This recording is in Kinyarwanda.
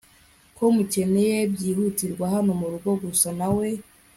ko mukeneye byihutirwa hano murugo Gusa nawe